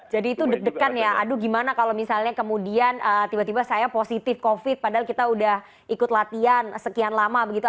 jadi itu deg degan ya aduh gimana kalau misalnya kemudian tiba tiba saya positif covid padahal kita udah ikut latihan sekian lama begitu